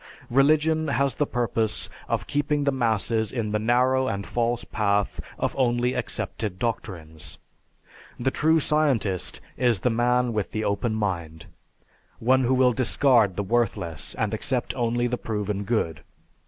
Religion has the purpose of keeping the masses in the narrow and false path of only accepted doctrines. The true scientist is the man with the open mind, one who will discard the worthless and accept only the proven good.